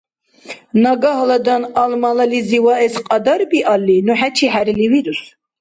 Нагагьладан Алмалализи ваэс кьадарбиалли, ну хӀечи хӀерли вирус.